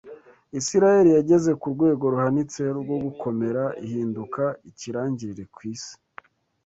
Isirayeli yageze ku rwego ruhanitse rwo gukomera ihinduka ikirangirire ku isi